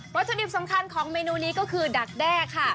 ถุดิบสำคัญของเมนูนี้ก็คือดักแด้ค่ะ